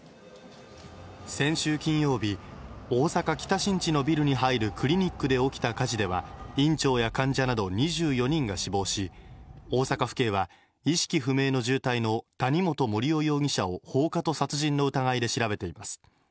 先週金曜日、大阪の北新地のビルに入るクリニックで起きた火事では院長や患者など２４人が死亡し、大阪府警は意識不明の重体の谷本盛雄容疑者を放火と殺人の疑いで調べています。